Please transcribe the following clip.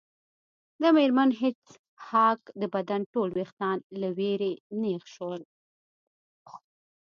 د میرمن هیج هاګ د بدن ټول ویښتان له ویرې نیغ شول